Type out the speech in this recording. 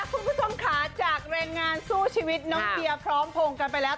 คุณผู้ชมค่ะจากแรงงานสู้ชีวิตน้องเดียพร้อมพงศ์กันไปแล้ว